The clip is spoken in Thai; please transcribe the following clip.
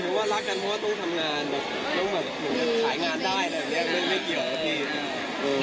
เพราะว่าเรื่องงานอะไรก็คือ